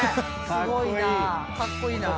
すごいな。